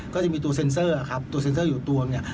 ก็จะมีตัวเซ็นเซอร์ครับตัวเซ็นเซอร์อยู่ตวงเนี่ย